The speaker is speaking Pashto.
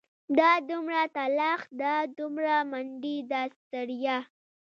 دا دومره تلاښ دا دومره منډې دا ستړيا.